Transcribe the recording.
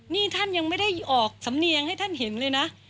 นี่ท่านยังไม่ได้ออกสำเนียงให้ท่านเห็นเลยนะ